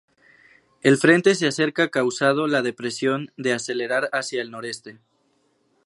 El frente se acerca causado la depresión de acelerar hacia el noreste.